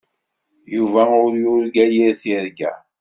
Yuba ur yurga yir tirga.